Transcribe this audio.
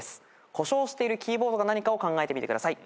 故障しているキーボードが何かを考えてみてください。